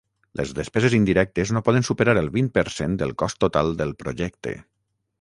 Les despeses indirectes no poden superar el vint per cent del cost total del projecte.